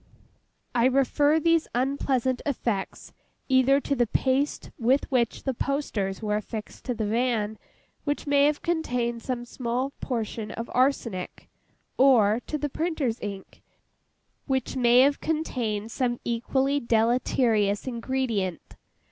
I refer these unpleasant effects, either to the paste with which the posters were affixed to the van: which may have contained some small portion of arsenic; or, to the printer's ink, which may have contained some equally deleterious ingredient.